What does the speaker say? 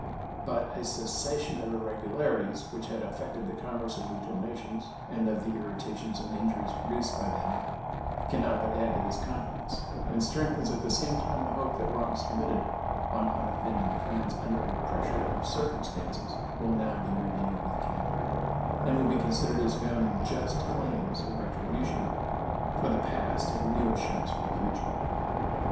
But a cessation of irregularities which had affected the commerce of neutral nations and of the irritations and injuries produced by them can not but add to this confidence, and strengthens at the same time the hope that wrongs committed on unoffending friends under a pressure of circumstances will now be reviewed with candor, and will be considered as founding just claims of retribution for the past and new assurance for the future.